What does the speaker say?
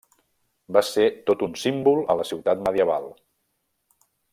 Va ser tot un símbol a la ciutat medieval.